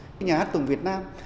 nhà hát tổng việt nam